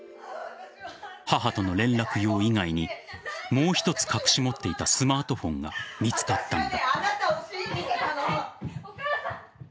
母との連絡用以外にもう一つ隠し持っていたスマートフォンが見つかったのだ。